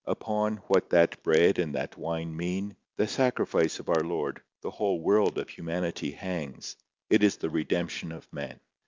Upon what that bread and that wine mean, the sacrifice of our Lord, the whole world of humanity hangs. It is the redemption of men.